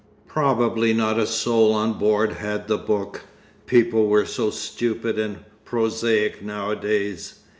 Probably not a soul on board had the book; people were so stupid and prosaic nowadays.